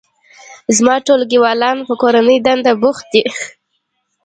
زما ټولګیوالان په کورنۍ دنده بوخت دي